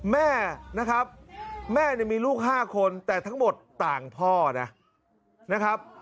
แม่นะครับแม่เนี่ยมีลูก๕คนแต่ทั้งหมดต่างพ่อนะนะครับ